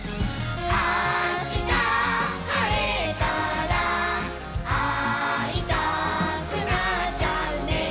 「あしたはれたらあいたくなっちゃうね」